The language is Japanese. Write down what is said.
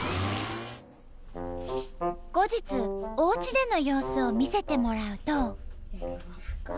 後日おうちでの様子を見せてもらうと。